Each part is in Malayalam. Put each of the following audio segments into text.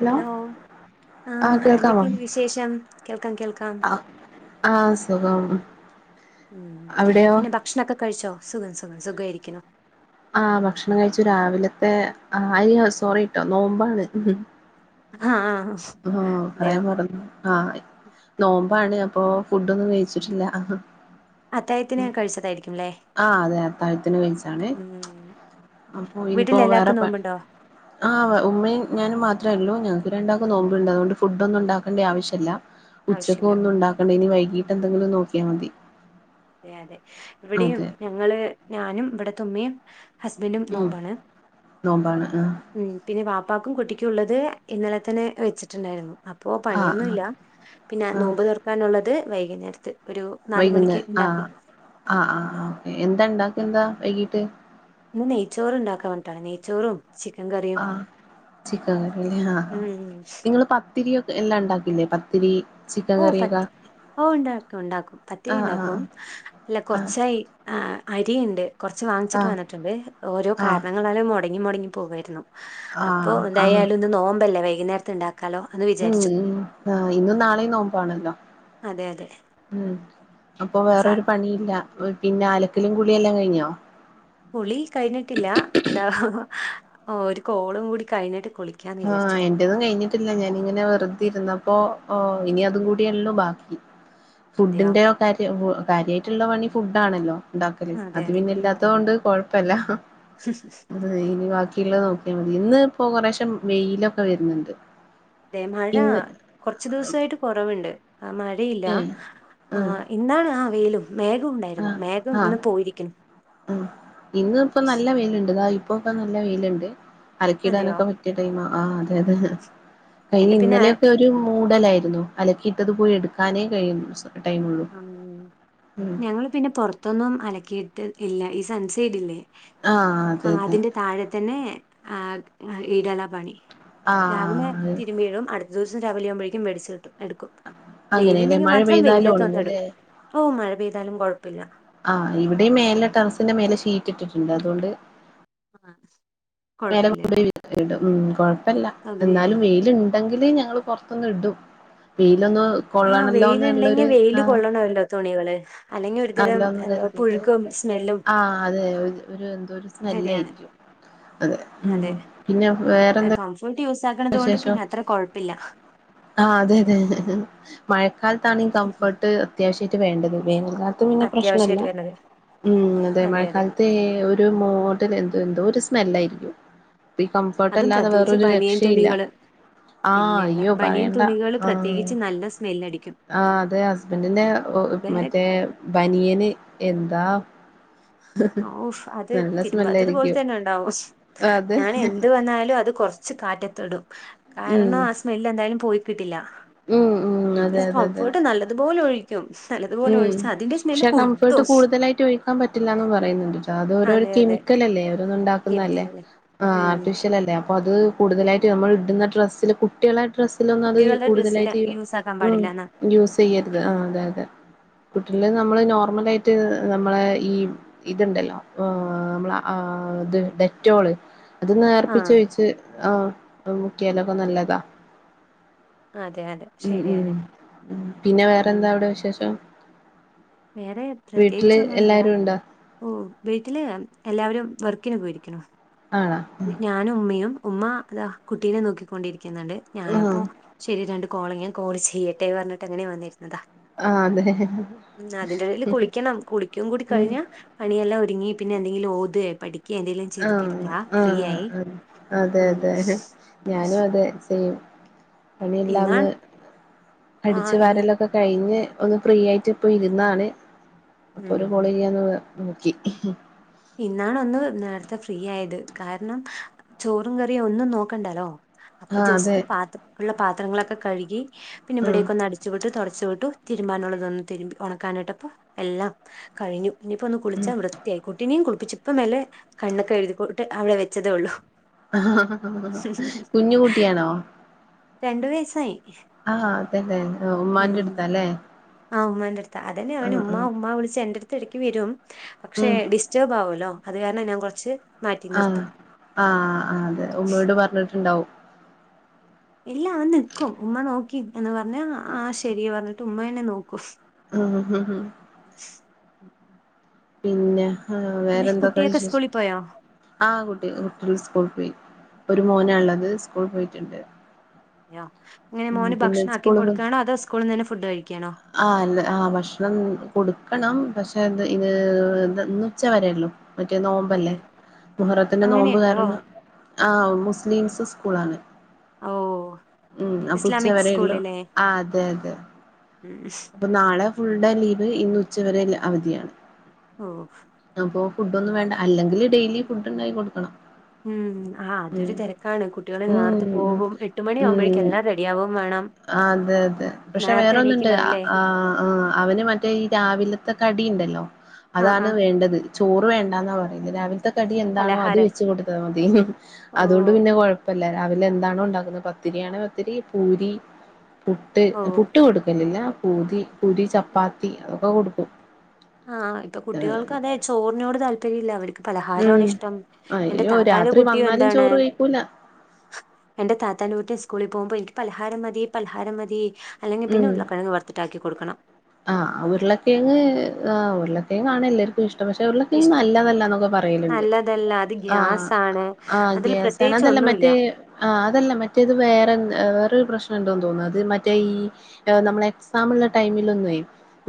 ഹലോ ഹെലോ ആഹ് എന്തൊക്കെയുണ്ട് വിശേഷം കേൾക്കാം കേൾക്കാം ആഹ് ആഹ് സുഖം ഉം അവിടെയോ പിന്നെ ഭക്ഷണൊക്കെ കഴിച്ചോ സുഖം സുഖം സുഖായ്രിക്ക്ണു ആഹ് ഭക്ഷ്ണം കഴിച്ചു രാവിലെത്തെ ആഹ് അല്ലാ സോറീട്ടോ നോമ്പാണ് ആഹ് ആഹ് പറയാം മറന്നു ആഹ് നോമ്പാണ് അപ്പോ ഫുഡൊന്നും കയ്ച്ച്ട്ട്ല്ലാ അഹാ അത്തായത്തിന് ഉം കഴിച്ചതായിരിക്കും അല്ലേ ആഹ് അതെ അത്താഴെത്തിന് കഴിച്ചാണെ ഉം അപ്പൊ വീട്ടിൽ ഇനിപ്പോ വേറെ എല്ലാവർക്കും ബ നോമ്പുണ്ടോ ആഹ് ഉമ്മയും ഞാനും മാത്രേള്ളൂ ഞങ്ങക്ക് രണ്ടാ ക്കും നോമ്പ്ണ്ട് അതോണ്ട് ഫുഡ്ഡാെന്നുണ്ടാക്കണ്ട്യെ ആവശ്യല്ലാ ഉച്ചക്കു ആവശ്യമില്ല ഒന്നുംണ്ടാ ക്കണ്ട ഇനി വൈകീട്ടെന്തെങ്കിലും നാേക്ക്യാ മതി അതെ അതെ ഇവിടെയും അതെ ഞങ്ങള് ഞാനും ഇവ്ടെത്ത ഉമ്മയും ഹസ്ബന്റും ഉം നോമ്പാണ് നോമ്പാണ് ആഹ് ഉം പിന്നെ വാപ്പാക്കും കുട്ടിക്ക്യും ഉള്ളത് ഇന്നെലെ തെന്നെ വെച്ചിട്ട്ണ്ടായ്ര്ന്നു അപ്പോ പണിയൊന്നു ആഹ് ആഹ് ഇല്ലാ പിന്നെ ആഹ് നോമ്പ് തീർക്കാനുള്ളെത് വൈക്ന്നേര്ത്ത് ഒരു നാല് വൈകുന്നേ മണിയ്ക്ക് ഇണ്ടാക്കും ആഹ് ആഹ് ആഹ് എന്താ ണ്ടാക്കെന്താ വൈകീട്ട് ന്ന് നെയ്ചോറ്ണ്ടാക്കാ പർഞ്ഞ്ട്ടാണ് നെയ്ച്ചോറും ചിക്കെൻ കറി ആഹ് ചിക്കെൻ കറി അല്ലേ ആഹ് ആഹ് ഉം നിങ്ങെള് പ ത്തിരിയാെക് എല്ലാം ണ്ടാക്കില്ലേ പത്തിരീ ഓഹ് പത്ത് ഓഹ് ഇണ്ടാക്കും ഇണ്ടാക്കും പത്തിരി ആഹ് ഇണ്ടാക്കും ആഹ് അല്ല ആഹ് കൊർച്ചായി ആഹ് അരിയ്ണ്ട് കാെർച്ച് വാങ്ങ്ച്ചിട്ട് ആഹ് വന്നിട്ട്ണ്ട് ഓരോ ആഹ് കാര്ണങ്ങളാലും മാെടെങ്ങി മാെടെങ്ങി പോകായ്ര്ന്നു അപ്പൊ ആഹ് ആഹ് എന്തായാലും ഇന്ന് നോമ്പല്ലേ വൈക്ന്നേര്ത്ത് ഇണ്ടാക്കാലോ അന്ന് വി ഉം ഉം ആഹ് ഇന്നും നാളെയും നോമ്പാണല്ലോ അതെ അതെ ഉം അപ്പൊ സ വേറൊരു പണിയില്ലാ പിന്നെ അലക്കലും കുളിയെല്ലാം കയ്ഞ്ഞോ കുളി കയ്ഞ്ഞ്ട്ടില്ലാ അതാ ഒര് കോളും കൂടി കഴ്ഞ്ഞ്ട്ട് കുളി ആഹ് എന്റെതും കഴ്ഞ്ഞ്ട്ട്ല്ല ഞാനിങ്ങെനെ വെറ്തിര്ന്നപ്പോ ആഹ് ഇനി അതും കൂടിയെള്ളു ബാക്കി അതെയോ ഫുഡ്ഡ്ന്റെ കാര്യതി കാര്യായ്ട്ട്ള്ളെ പണി ഫുഡ്ഡാണല്ലോ ഉണ്ടാക്കല് അതെ അത് അതെ പിന്നെ ഉം ഇല്ലാത്തത് ഉം കൊണ്ട് കൊഴപ്പല്ലാ ഇനി ബാക്കിയിള്ളെ നോക്ക്യാ മതി ഇന്ന് ഇപ്പോ കൊറെശം വെയ്ലൊക്കെ വെര്ന്ന്ണ്ട് തെ മഴാ കാെറെച്ച് ദിവ്സായിട്ട് കാെറെവ്ണ്ട് ആഹ് മഴയില്ലാ ഏഹ് ആഹ് ഇന്നാണ് ആഹ് വെയ്ലും മേഘവുണ്ടായ് ആഹ് ആഹ് ഉം ഇന്ന് ഇപ്പം നല്ല വെയ്ല്ണ്ട് താ ഇ പ്പൊക്കെ നല്ല വെയ്ല്ണ്ട് അലക്കി അതെയോ ഇടാനൊക്കെ പറ്റിയ ടൈമാ ആഹ് അതെ അതേ അയിന് എന്റെ പിന്നെ ഇന്നലെയൊക്കെ ഒരു മൂടലായ്ര്ന്നു അലക്കിയിട്ടെത് പോയി എട്ക്കാനേ കഴിയു [unintelligible] സം ടൈമൊള്ളു ഉം ഉം ഞങ്ങള് പിന്നെ പാെറത്തൊന്നും അലക്കിയിട്ട് ഇല്ല ഈ സൺസൈഡില്ലേ ആഹ് അതെ അതെ താഴെ തന്നെ ആഹ് ആഹ് ഇടെലാ പണി രാവിലെ ആഹ് തിര്മ്പിയിടും അട് ത്ത ദിവ്സം രാവിലെയാവുമ്പഴേക്കും വെളിച്ചെത്തും എടുക്കും അങ്ങനെയല്ലേ വെയ്ല്ണ്ടെങ്കി മഴ മാത്രം പെയ്താലും വെയ്ലെത്തൊണ് ഒണങ്ങൂല്ലേ പ്പോ മഴ പെയ്താലും കാെഴപ്പെല്ല്യാ ആഹ് ഇവിടെയും മേലെ ടെറസ്ന്റെ മേലെ ഷീറ്റ്ട്ട്ട്ട്ണ്ട് അത്കൊണ്ട് അഹ് മേലെ [unintelligible] ഉം കൊഴപ്പമല്ല എന്നാലും സൗകര്യമല്ലോ വെയിലുണ്ട് ഉണ്ടെങ്കില് ഞങ്ങള് പുറത്തൊന്ന് ഇടും വെയിലൊന്ന് ആഹ് കൊള്ളണല്ലോ വെയില് എന്നുള്ളൊരു ഉണ്ടെങ്കില് വെയില് ആഹ് കൊള്ളണല്ലോ തുണികള് അല്ലെങ്കിൽ ഒരുതരം അല്ലോന്ന് എന്താ കരുതിട്ടെ പുഴുക്കും സ്മെല്ലും ആ അതെ ഒരു എന്തോ ഒരു സ്മെല്ല് ശരിയാണ് ആയിരിക്കും അതെ ഉം പിന്നെ വേറെന്ത കഫംർട്ട് യൂസ്സാക്കണത് കൊണ്ട് പിന്നെ അത്ര കുഴപ്പില്ല ആഹ് അതെ അതെ മഴക്കാലത്താണ് ഈ കംഫേർട്ട് അത്യാവശ്യയിട്ട് വേണ്ടത് വേനൽക്കാലം ത്ത് പിന്നെ പ്രശ്നല്ല അത്യാവശ്യമായിട്ട് വരുന്നത് ഉം അതെ മഴക്കാലത്ത് അതെ ഒരു മോട്ടിൽ എന്തോ ഒരു സ്മെല്ലായിരിക്കും അപ്പ ഈ കംഫോർട്ട് അല്ലാതെ വേറൊരു രക്ഷയില്ല തുണികള് ആഹ് ഇല്ലല്ല അയ്യോ ബനിയൻ പറയണ്ട തുണികള് ആഹ് പ്രത്യേകിച്ച് നല്ല സ്മെല്ലടിക്കും ആഹ് അതെ ഹസ്ബൻഡിന്റെ വേറെ മറ്റേ ബനിയേന് എന്താ ഓശ് അത് നല്ല തിരുമ്പാത്തത് പോലെ സ്മെല്ലായിരിക്കും തന്നെ ഉണ്ടാവും അതെ ഞാൻ എന്ത് വന്നാലും അത് കൊറച്ച് ച്ച് കാറ്റത്ത്ടും ഉം കാരണം ആ സ്മെല്ല് എന്തായാലും പോയി കിട്ടില്ല ഉം ഉം പിന്നെ അതെ അതെ അതെ കംഫേർട്ട് നല്ലതുപോലെ ഒഴിക്കും നല്ലതുപോലെ ഒഴിച്ച അതിന്റെ സ്മെല്ല് കുത്തും [unintelligible] ക്കാൻ പറ്റില്ലന്ന് പറയുന്നുണ്ട് അത് ഓരോ അതെ അതെ കെമിക്കലല്ലേ ഓരോന്ന് ഉണ്ടാക്കുന്നതല്ലേ കെമിക്കലല്ലേ ആഹ് ഉം ആർട്ടിഫിഷ്യൽ അല്ലേ അപ്പ അത് കൂടുതലായിട്ട് നമ്മൾ ഇടുന്ന ഡ്രസ്സിൽ കുട്ടികളെ ഡ്രസ്സിലൊന്നും അത് കുട്ടികളുടെ ഡ്രസ്സില് കൂടുതലായിട്ട് യൂസ് ആക്കാൻ ഉം പാടില്ലന്നാ യൂസ് ചെയ്യരുത് ആഹ് അതെ അതെ കുട്ടികളില് നമ്മള് നോർമൽ ആയിട്ട് നമ്മളെ ഈ ഇതുണ്ടല്ലോ നമ്മളെ ആ ഇത് ഡെറ്റോള് അത് ആ നേർപ്പിച്ചോച്ച് ആ മുക്കിയാലൊക്കെ നല്ലതാ അതെ അതെ ഉം ഉം ശരിയാണ് ഉം പിന്നെ ഉം വേറെന്താ അവിടെ വിശേഷം വേറെ വീട്ടില് എല്ലാരും ഉണ്ടാ ഓഹ് വീട്ടില് എല്ലാവരും വർക്കിന് പോയിരിക്കണു ആണോ ഞാനും ഉമ്മയും ഉമ്മതാ കുട്ടീനെ നോക്കിക്കൊണ്ടിരിക്കുന്നുണ്ട് ആഹ് ഞാനപ്പോ ശെരി രണ്ട് കോളിങ്ങൻ കോൾ ചെയ്യട്ടെ പറഞ്ഞിട്ട് അങ്ങനെ വന്നിരുന്നതാ ആഹ് അതെ ഉം അതിന്റെ ഇടയില് കുളിക്കണം കുളിക്കും കൂടി ഉം കഴിഞ്ഞ പണിയെല്ലാം ഒരുങ്ങി പിന്നെ എന്തെങ്കിലും ഓതെ പഠിക്കെ എന്തെങ്കിലും ആഹ് ചെയ്തിട്ടിരിക്കാ ആഹ് ആ അതെ അതെ ഞാനും അതെ സൈം പണിയെല്ലാം ഒന്ന് ഇന്നാണ് ആ അടിച്ചു ഇന്ന് വാരലും ഒക്കെ കഴിഞ്ഞ് ഒന്ന് ഫ്രീ ആയിട്ട് ഇപ്പോൾ ഇരുന്നതാണ് അപ്പോൾ ഒരു ഉം കോള് ചെയ്യാൻ നോക്കി ഇന്നണൊന്ന് നേരത്തെ ഫ്രീ ആയത് കാരണം ചോറും കറിയും ഒന്നും നോക്കണ്ടല്ലോ അപ്പൊ ആഹ് അതെ ജസ്റ്റ് പാത്ര ഉള്ള പാത്രങ്ങളൊക്കെ കഴുകി പിന്നെ ഉം ഇവിടൊക്ക ഒന്ന്ട് ച്ച് വിട്ടു തുടച്ചു വിട്ടു തിരുമ്പാനുള്ളതൊന്നു ഉണക്കാനായിട്ടപ്പ എല്ലാം കഴിഞ്ഞു പിന്നെയിപ്പോ ഒന്ന് കുളിച്ചാ ഉം വൃത്തിയായി കുട്ടിനെയും കുളിപ്പിച്ച് ഇപ്പ മെല്ലെ കണ്ണൊക്കെ എഴുതിട്ട് അവിടെ വെച്ചതേ ഉള്ളൂ കുഞ് കുട്ടിയാണോ രണ്ടു വയസായി ആഹ് അതെതെ ഉമ്മാന്റെ അടുത്താല്ലേ ആഹ് ഉമാന്റെ അടുത്ത് അതന്നെ അവൻ ആഹ് ഉമാ ആഹ് ഉമ്മാ വിളിച്ച് എന്റെ അടുത്ത് ഇടക്ക് വരും പക്ഷേ ഉം ഡി റ്റേർബാവുല്ലോ അത് കാരണം ഞാൻ കുറച്ച് മാറ്റി നിർത്തും ആഹ് ആഹ് അതെ ഉമ്മയോട് പറഞ്ഞിട്ടുണ്ടാവും ഇല്ല അവൻ നിക്കും ഉമ്മ നോക്കി എന്ന് പറഞ്ഞ ആ ശരി പറഞ്ഞിട്ട് ഉമ്മേന്നെ നോക്കും ആഹ് ആഹ് ആഹ് പിന്നെ ആ പിന്നെ വേറെന്തെക്കെ കുട്ടിയൊക്കെ വിശേഷം സ്കൂളിൽ പോയോ ആ കുട്ട്യോള് കുട്ട്യോള് സ്കൂൾക്ക് പോയി ഒരു മോനാള്ളത് സ്കൂൾ പോയിട്ടുണ്ട് യോ അങ്ങനെ ഉം മോന് പിന്നെ ഭക്ഷണം ആക്കി സ്കൂള് പോ കൊടുക്കാണോ അതോ സ്കൂള്ന്നന്നെ ഫുഡ് കഴിക്കാണോ ആഹ് അല്ല ആ ഭക്ഷണം കൊടുക്കണം പക്ഷെ ത് ഇന്ന് ഉച്ച വരെള്ളു മറ്റേ അതെ നോമ്പല്ലേ മുഹറത്തിന്റെ നോമ്പ് അങ്ങനെയുണ്ടോ കാരണം ആ മുസ്ലിംസ് സ്കൂളാണ് ഓ ഉം അപ്പ ഇസ്ലാമിക് ഉച്ചവരേള്ളു സ്കൂളിലെ ആ അതെ അതെ ഉം അപ്പൊ നാളെ ഫുൾ ഡേ ലീവ് ഇന്ന് ഉച്ച വരെ അവധിയാണ് ഓഹ് അപ്പൊ ഫുഡൊന്നും വേണ്ട അല്ലങ്കില് ഡെയിലി ഫുഡ് ഇണ്ടാക്കി കൊടുക്കണം ഉം ആ അതൊരു തെരക്കാണ് കുട്ട്യോള് ഉം നേർത്ത് ഉം പോവും എട്ട് മണിയാകുമ്പോഴേക്കും എല്ലാം റെഡിയാവും വേണം ആ അതെ അതെ പക്ഷെ നേരത്തെ വേറെന്ന്ണ്ട് എണീക്കുണ്ടാവില്ലേ ആഹ് ആഹ് അവന് മറ്റേ ഈ രാവിലത്തെ കടി ഇണ്ടല്ലോ ആ ആ അതാണ് വേണ്ടത് ചോറ് വേണ്ടന്നാ പറയുന്നത് രാവിലത്തെ കടി എന്താണോ അത് പലഹാരം വെച്ച് കൊടുത്താ മതി ഓ അതുകൊണ്ട് പിന്നെ കൊഴപ്പല്ല രാവിലെ എന്താണോ ഉണ്ടാക്കുന്നത് പത്തിരിയാണെ പത്തിരി പൂരി പുട്ട് ഓ പുട്ട് കൊടുക്കലില്ല പൂരി പുരി ചപ്പാത്തി അതൊക്കെ കൊടുക്കും ആഹ് ഇപ്പൊ കുട്ടികൾക്ക് അതെ ചോറിനോട് താല്പര്യല്ല അവര് പലഹാരാണ് ഉം ഇഷ്ടം എന്റെ അയ്യോ താത്താന്റെ രാത്രി കുട്ടിയും വന്നാലും എന്താണ് ചോറ് കഴിക്കൂല എന്റെ താത്താന്റെ കുട്ടി സ്കൂളിൽ പോവുമ്പോ എനിക്ക് പലഹാരം മതി പലഹാരം മതി അല്ലെങ്കിൽ പിന്നെ ഉം ഉരുള കിഴങ്ങ് വറത്തിട്ടാക്കി കൊടുക്കണം ആഹ് ഉരുള കിഴങ്ങ് ആ ഉരുള കിഴങ്ങാണ് എല്ലാർക്കും ഇഷ് പക്ഷെ ഉരുള കിഴങ്ങ് ഇഷ്ടം നല്ലതല്ലാന്ന് പറയല്ണ്ട് നല്ലതല്ല അത് ആഹ് ഗ്യാസാണ് ആഹ് അതിൽ ഗ്യാസ് പ്രത്യേകിച്ച് തണതല്ലേ ഒന്നുമില്ല മറ്റേ ആ അതല്ല മറ്റേത് വേറെ വേറൊരു പ്രശ്നണ്ടന്ന് തോന്നുന്നു അത് മറ്റേ ഈ നമ്മളെ എക്സാമുള്ള ടൈമ്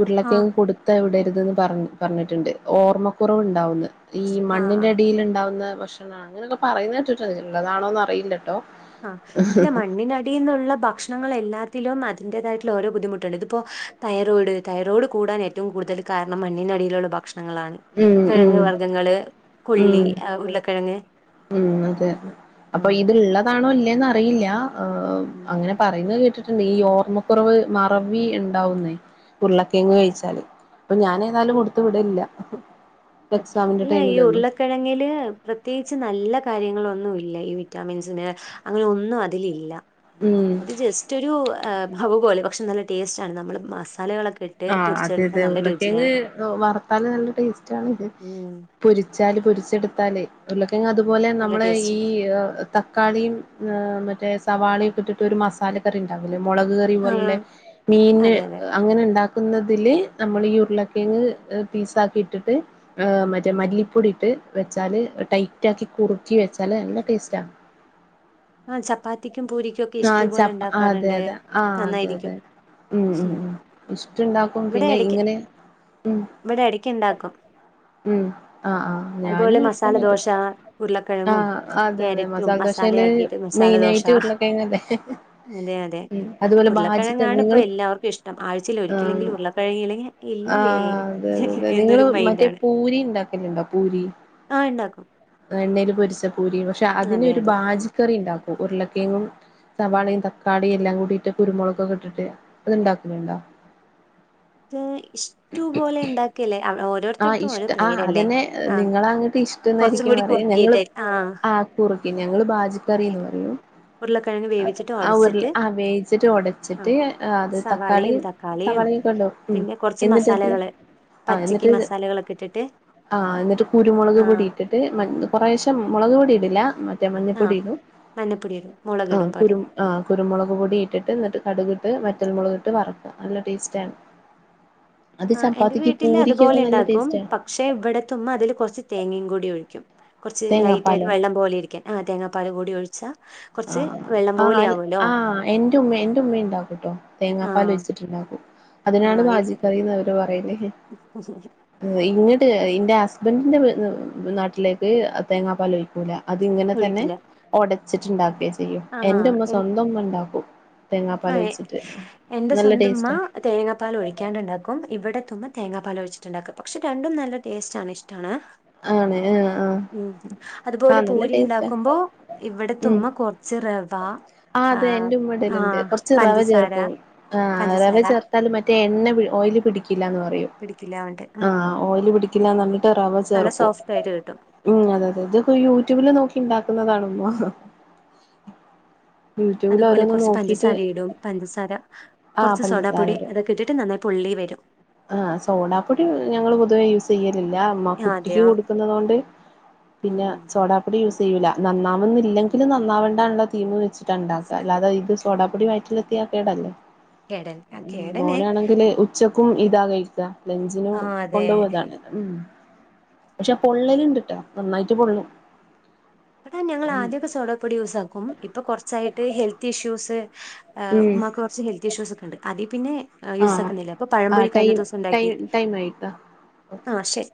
ഉരുള ആഹ് കിയങ്ങ് കൊടുത്ത് എ വിടരുതെന്ന് പറ പറഞ്ഞിട്ടുണ്ട് ഓർമ്മക്കുറവ് ഇണ്ടാവുന്ന് ഈ ആഹ് മണ്ണിന്റെ അടിയില് ഇണ്ടാവുന്ന ഭക്ഷണാണ് അങ്ങനെക്കെ പറയുന്നട്ടിട്ടോ ഇള്ളതാണോന്ന് അറിയില്ലട്ടോ ആഹ് ഇന്റെ മണ്ണിനടി ടീന്നുള്ള ഭക്ഷണങ്ങൾ എല്ലാത്തിലും അതിന്റേതായിട്ടുള്ള ഓരോ ബുദ്ധിമുട്ടുണ്ട് ഇതിപ്പോ തൈറോയിഡ് തൈറോയിഡ് കൂടാൻ ഏ ഏറ്റവും കൂടുതൽ കാരണം മണ്ണിനടിയിലുള്ള ഭക്ഷണങ്ങളാണ് ഉം ഉം കിഴങ്ങ് വർഗങ്ങള് പുള്ളി ഉം ഉരുളക്കിഴങ്ങ് ഉം അതെ അപ്പൊ ആഹ് ഇത്ള്ളതാണോ ഇല്ലേന്ന് അറിയില്ല ഉം അങ്ങനെ പറയുന്ന കേട്ടിട്ട് ഈ ഓർമ്മക്കുറവ് മറവി ഇണ്ടാവുന്നേ ഉരുള്ളക്കെങ്ങ് കഴിച്ചാല് അപ്പൊ ഞാന് എന്നാലും കൊടുത്തു വിടില്ല ഇല്ല ഈ ഉർല കിഴങ്ങില് പ്രത്യേകിച്ച് നല്ല കാര്യങ്ങളൊന്നുല്ല ഈ വിറ്റാമിൻസിന് അങ്ങനെ ഒന്നും അതിലില്ല ഉം അത് ജസ്റ്റ് ഒര് ബവ് പോലെ പക്ഷെ നല്ല ടേസ്റ്റ ആണ് നമ്മള് മസാലകളൊക്കെ ഇട്ട് ആഹ് അതെ പൊരിച്ചെടുത്താൽ അതെ നല്ല ഉരുളക്കേങ്ങ് രുചിയാണ് വറുത്താല് നല്ല ടേസ്റ്റ് ആണിത് ഉം പൊരിച്ചാല് പൊരിച്ചെടുത്താല് ഉരുളക്കേങ്‌ അതുപോലെ നല്ല നമ്മള് ടേസ്റ്റ് ഈ തക്കാളിയും മറ്റേ സവാളയൊക്കെ ഇട്ടിട്ട് ഒരു മസാലക്കറി ഉണ്ടാക്കില്ലേ മുളക് കറി റി ആ പോലെള്ള മീൻ അതെ അതെ അങ്ങനെണ്ടാക്ക് ണ്ടാക്കുന്നതില് നമ്മൾ ഈ ഉരുളക്കെങ് പീസാക്കി ഇട്ടിട്ട് ഹ് മറ്റേ മല്ലിപ്പൊടിയിട്ട് വെച്ചാല് ടൈറ്റ ആക്കി കുറുക്കി വെച്ചാല് നല്ല ടേസ്റ്റാ ആ ചപ്പാത്തിക്കും പൂരിക്കും ഒക്കെ ഈശ്ടു ആഹ് പോലെ ചപ്പ അതെ ഉണ്ടാക്കാറുണ്ട് അതെ നന്നായിരിക്കും ആഹ് ആഹ് ഉം. ആഹ് ഇഷ്ടുണ്ടാക്കും ഇവിടെ പിന്നെ ഇടയ്ക്ക് ഇങ്ങനെ ഇവിടെ ഇടയ്ക്ക് ആഹ് ഉണ്ടാക്കും ആഹ് ആ ആഹ അതുപോലെ ഞാനും എ മസാല ദോശ ഉരുളക്കിഴങ്ങും ആഹ അതെ അതെ ക്യാരറ്റും മസാല ദോഷേൽ മസാലയാക്കിയിട്ട് മസാല മെയിന ദോശ ആയിട്ട് ഉരുളകെഴങ്ങല്ലേ അതെ അതെ ഉരുളക്കിഴങ്ങാണ് ഇപ്പൊ നിങ്ങള് എല്ലാവർക്കും ഇഷ്ടം ആഴ്ചൽ ആഹ് ഒരിക്കലെങ്കിലിൽ ഉരുള്ള കഴങ്ങില്ലെങ്കിൽ ഇല്ലേ ആഹ് അതെ അതെ അതെ എന്നൊരു നിങ്ങള് മൈൻഡ് മറ്റേ ആണ് പൂരി ഇണ്ടാക്കലണ്ടോ പൂരി ആ ഇണ്ടാക്കും എണ്ണയിൽ പൊരിച്ച പൂരി പക്ഷെ അതെ അതിനൊരു അതെ ബാജിക്കറി ഉണ്ടാക്കും ഉരുളക്കേങ്ങും സവാളയും തക്കാളിയും എല്ലാം കൂടിട്ട് കുരുമുളകക്കെ ഇട്ടിട്ട് അത്ണ്ടാക്കുന്നുണ്ടോ [unintelligible] ട്യൂപോലെ ഉണ്ടാക്കല്ലേ ആഹ് ഓരോരുത്തടുത്തും ഓരോ ഇഷ്ട ആഹ് പേരല്ലേ അതന്നെ ആ നിങ്ങളങ്ങട്ട് കുറച്ചും കൂടി കുറുക്കീയിട്ട് ആ കുറക്കി ഞങ്ങള് പാജിക്കറി എന്ന് കുറുക്കിയിട്ട് പറയു ഉരുളക്കിഴങ്ങ് വേവിച്ചിട്ട് ആ ഉരുള ഉടച്ചിട്ട് ആ വേവിച്ചിട്ട് ആ ഉടച്ചിട്ട് അത് തക്കാളി സവാളയും തക്കാളിയും സവാളക്കിടും ആഹ് പിന്നെ കുറച്ച് എന്നിട്ടത് മസാലകള് ആഹ പച്ചക്ക് എന്നിട്ട് മസാലകളൊക്കെ ഇട്ടിട്ട് ആഹ എന്നിട്ട് കുരുമുളക് ആ പൊടിട്ട് ട്ടിട്ട് മ കുറേശം മുളക്പൊടി ഇടില്ല മ- ആ മഞ്ഞപ്പൊടിടും മഞ്ഞപ്പൊടി ഇടും ആ മുളകിടും പകരം കുരു ആ കുരുമുളക് പൊടി ഇട്ടിട്ട് എന്നിട്ട് കടുകിട്ട് വറ്റൽമുളക് ഇട്ട് വറക്കും നല്ല ടേസ്റ്റ് ആണ് അത് ആ ചപ്പാത്തിക്ക് പൂരിക്കൊക്കെ നല്ല ടേസ്റ്റണ് പക്ഷേ ഇവിടത്തുമ്മ അതിൽ കുറച്ച് തേങ്ങയും കൂടി ഒഴി ക്കും കുറച്ച് ലൈറ്റ് ആയിട്ട് തേങ്ങാപ്പാലോ വെള്ളം പോലെ ഇരിക്കാൻ ആ തേങ്ങാപ്പാൽ കൂടി ഒഴിച്ചാ കുറച്ച് വെള്ളം പോലെ ആഹ് ആവുമല്ലോ ആ എന്റെ ഉമ്മ എന്റെ ഉമ്മ ഉണ്ടാക്കൂട്ടോ ആ തേങ്ങാപ്പാൽ ഒഴിച്ചിട്ടുണ്ടാക്കൂ ആ അതിനാണ് ഇ- ബാജിക്കറിയന്ന് അവര് പറയില്ലേ ഇങ്ങട്ട് ഇന്റെ ഹസ്ബന്റി ന്റെ വീ നാട്ടിലേക്ക് തേങ്ങാ പാൽ ഒഴിക്കൂല അതിങ്ങനെ തന്നെ ഒഴിക്കില്ല ഒടച്ചിട്ട്ണ്ടാക്ക ആ ചെയ്യഎന്റുമ്മ എൻ സ്വന്തം ഉമ്മ ഉണ്ടാക്കൂ ആ തേങ്ങാപാലോഴിചിട്ട് നല്ല ടേസ്റ്റ് തേങ്ങാ പാൽ ഒഴിക്കാണ്ടുണ്ടാക്കും ഇവിടെത്തുമ്പ തേങ്ങാപ്പാല ഒഴിച്ചിട്ടുണ്ടാക്കും പക്ഷെ രണ്ടും നല്ല ടേസ്റ്റ ആണ് ഇഷ്ടാണ് ആണ് ആഹ് ആഹ് അതുപോലെ ആഹ് നല്ല പൂരി ടേസ്റ്റാ ഉണ്ടാക്കുമ്പോ ഇവിടത്തുമ്മകൊർ ച്ച് റവ ആ അതെ എന്റെ ആ ഉമ്മടലുണ്ട് കൊറ ച്ച് റവ പഞ്ചസാര ചേർക്കും ആ റവ പഞ്ചസാര ചേർത്താൽ മറ്റേ എണ്ണ ഓയില് പിടിക്കില്ല എന്ന് പറയും പിടിക്കില്ല റഞ്ഞിട്ട് ആ ഓയില് പിടിക്കില്ലന്നറഞ്ഞിട്ട് റവ നല്ല ചേർക്കും സോഫ്റ്റ് ആയിട്ട് കിട്ടും ആഹ് അതെ അതെ ഇതൊക്ക യൂട്യൂബില് നോക്കി ഉണ്ടാക്കുന്നതാണുമ്മ അതുപോലെ കുറച്ച് പഞ്ചസാര ഇടും പഞ്ചസാര ആഹ് കുറച്ച് സോഡാ പഞ്ചസാര പൊടി ഇടും അതൊക്കെ ട്ടിട്ട് നന്നായി പൊള്ളി വരും ആഹ് സോഡാപ്പൊടി ഞങ്ങള് പൊതുവേ യൂസ് ചെയ്യലില്ല ആ കുട്ടിക്ക് അതെയോ കൊടുക്കുന്നത് കൊണ്ട് ഉം പിന്നെ ഉം സോഡാ ഡി യൂസ് ചെയൂല നന്നാവുന്നില്ലെങ്കും നന്നാവണ്ട ള്ള തീം വെച്ചിട്ട ണ്ടാക്കുക അല്ലാതെ ഇത് സോഡാപ്പൊടി വയറ്റിലെത്തിയാ കേടല്ലേ കേടൻ ആ കേടനെ മോനാണെങ്കില് ഉച്ചക്കും ഇതാ കഴിക്ക ലഞ്ചിനും ആ അതെ കൊണ്ടുപോക ഇതാണ് ഉം പക്ഷെ പൊള്ളല്ണ്ട്ട്ടാ നന്നായിട്ട് പൊള്ളും അതാ ഞങ്ങൾ ഉം ആദ്യൊക്കെ സോഡാ പൊടി യൂസാക്കും ഇപ്പൊ കുറച്ചായിട്ട് ഹെൽത്ത് ഇഷ്യൂസ് ഉം മ്മാക്ക് കുറച്ച് ഹെൽത്ത് ഇഷ്യൂസ് ഒക്ക ഉണ്ട് അതി പിന്നെ ആഹ് യൂസാക്കുന്നില്ല അപ്പൊ പഴം പോരി കഴിഞ്ഞ ദിവസം ഉണ്ടാക്കി മൈദ ആഹ് ശരി